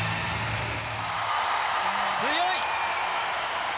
強い。